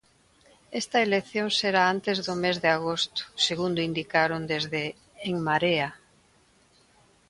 Esta elección será antes do mes de agosto, segundo indicaron desde En Marea.